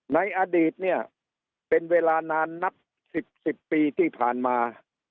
ในอดีตเนี่ยเป็นเวลานานนับ๑๐๑๐ปีที่ผ่านมา